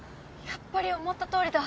やっぱり思ったとおりだ。